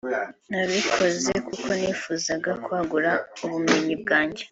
Nabikoze kuko nifuzaga kwagura ubumenyi bwajye